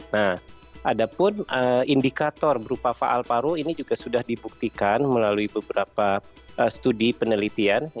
nah ada pun indikator berupa faal paru ini juga sudah dibuktikan melalui beberapa studi penelitian